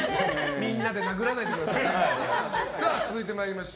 みんなで殴らないでください。